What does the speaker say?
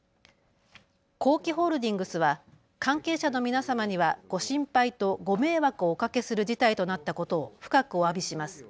工機ホールディングスは関係者の皆様にはご心配とご迷惑をおかけする事態となったことを深くおわびします。